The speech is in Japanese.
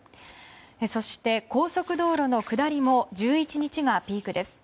そして高速道路の下りも１１日がピークです。